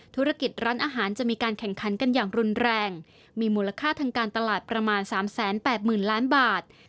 ธุรกิจร้านอาหารจะมีการแข่งขันกันอย่างรุนแรงมีมูลค่าทางการตลาดประมาณ๓๘๐๐๐ล้านบาท